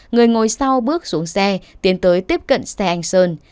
người ngồi sau bước xuống xe tiến tới tiếp cận xe anh sơn